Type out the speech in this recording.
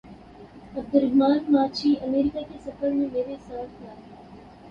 عبدالرحمٰن ماچھی امریکہ کے سفر میں میرے ساتھ تھا۔